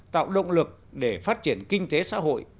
tạo động lực để phát triển kinh tế xã hội